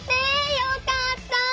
よかった！